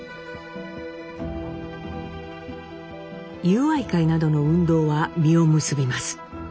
友愛会などの運動は実を結びます。